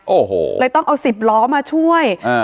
โอ้โหเลยต้องเอาสิบล้อมาช่วยอ่า